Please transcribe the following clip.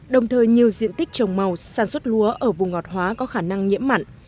đồng thời nhiều diện tích trồng màu sản xuất lúa ở vùng ngọt hóa có khả năng nhiễm mặn